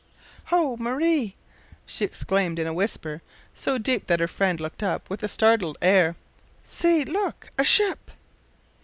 "Ho! Marie," she exclaimed in a whisper so deep that her friend looked up with a startled air; "see! look a sip."